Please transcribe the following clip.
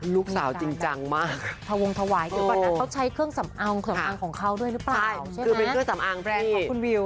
ลูกสาวจริงจังมากถวงถวายเกี่ยวกับนั้นเขาใช้เครื่องสำอางของเขาด้วยหรือเปล่าใช่คือเป็นเครื่องสำอางแพร่นของคุณวิว